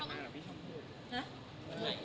ขอบคุณครับ